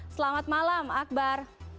selamat malam akbar